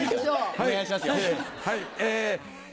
お願いしますよ。